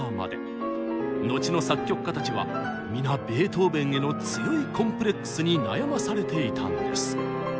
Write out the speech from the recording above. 後の作曲家たちは皆ベートーベンへの強いコンプレックスに悩まされていたんです。